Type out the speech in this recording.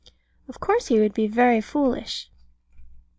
Of course he would be very foolish.